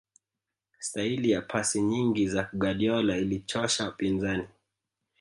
staili ya pasi nyingi za guardiola ilichosha wapinzani